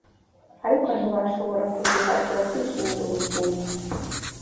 ariko ntibashobora kuguhatira kwishimira ubuzima